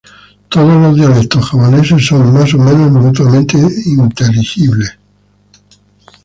Todos los dialectos javaneses son más o menos mutuamente inteligibles.